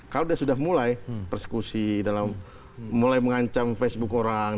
kalau dia sudah mulai persekusi dalam mulai mengancam facebook orang